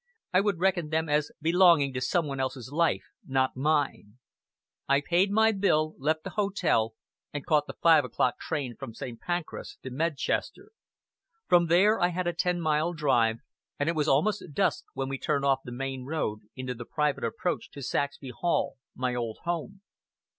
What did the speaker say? I would reckon them as belonging to some one else's life, not mine. I paid my bill, left the hotel, and caught the five o'clock train from St. Pancras to Medchester. From there I had a ten mile drive, and it was almost dusk when we turned off the main road into the private approach to Saxby Hall my old home.